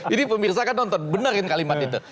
ini pemirsa kan nonton benerin kalimat itu